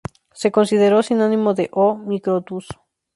Se consideró sinónimo de "O. microtus".